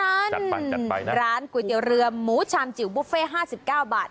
จัดไปจัดไปนะร้านก๋วยเตี๋ยวเรือหมูชามจิ๋วบุฟเฟ่ห้าสิบเก้าบาท